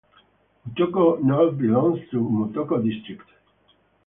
Mutoko North belongs to Mutoko district.